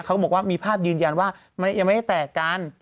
เขาบอกว่ามีภาพยืนยันว่ายังไม่ได้แตกกัน